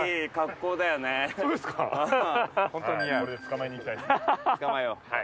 これで捕まえにいきたい。